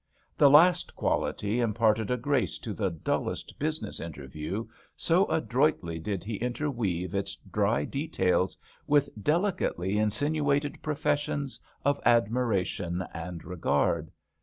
The last quality im parted a grace to the dullest business interview, so adroitly did he interweave its dry details with delicately insinuated professions of admiration and regard.